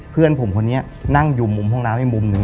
เพื่อนผมคนนี้นั่งอยู่มุมห้องน้ำอีกมุมหนึ่ง